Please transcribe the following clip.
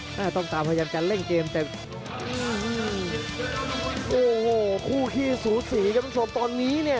หน้าต้องตามพยายามจะเล่นเกมแต่อืมโอ้โหคู่ขี้สูสีครับคุณผู้ชมตอนนี้เนี่ย